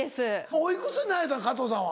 おいくつになられた加藤さんは？